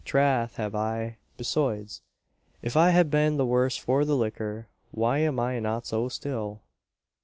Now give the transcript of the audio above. Trath have I. Besoides, if I had been the worse for the liquor, why am I not so still?